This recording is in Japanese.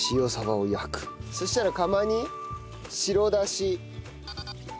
そしたら釜に白だし。